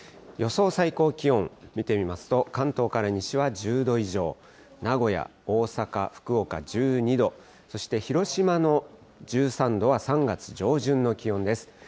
予想最高気温、見てみますと、関東から西は１０度以上、名古屋、大阪、福岡１２度、そして広島の１３度は３月上旬の気温です。